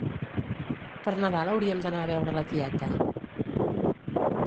Per Nadal hauríem d'anar a veure la tieta